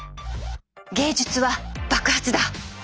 「芸術は爆発だ」。